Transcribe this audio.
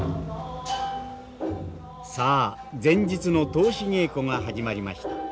さあ前日の通し稽古が始まりました。